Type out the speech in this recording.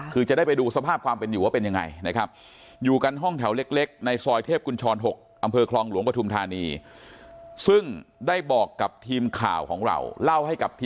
คือจะได้ไปดูสภาพความเป็นอยู่ว่าเป็นยังไงนะครับ